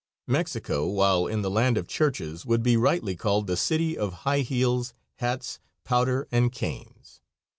Mexico, while in the land of churches, would be rightly called the city of high heels, hats, powder and canes.